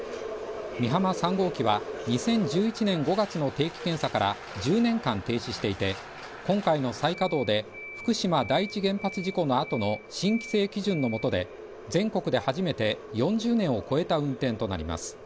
美浜３号機は２０１１年５月の定期検査から１０年間停止していて、今回の再稼働で福島第１原発事故の後の新規制基準のもとで全国で初めて４０年を超えた運転となります。